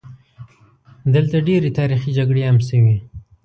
دلته ډېرې تاریخي جګړې هم شوي.